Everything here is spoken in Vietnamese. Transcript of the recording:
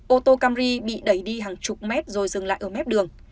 ô tô camry bị đẩy đi hàng chục mét rồi dừng lại ở mép đường